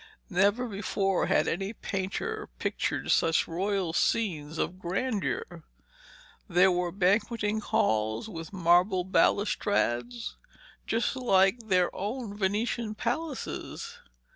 Never before had any painter pictured such royal scenes of grandeur. There were banqueting halls with marble balustrades just like their own Venetian palaces.